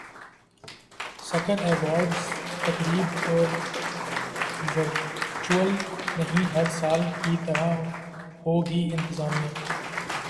سکر awards تقریب virtual نہیں ہر سال کی طرح ہوگی انتظامیہ